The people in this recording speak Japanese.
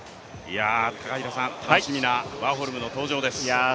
楽しみなワーホルムの登場です。